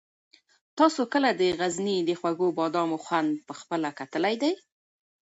تاسو کله د غزني د خوږو بادامو خوند په خپله کتلی دی؟